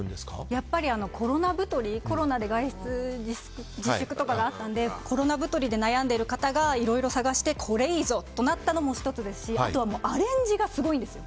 やっぱりコロナ太りコロナで外出自粛とかがあっでコロナ太りで悩んでいる方がいろいろ探してこれいいぞ！ってなったのも１つですしあとは、アレンジがすごいんです。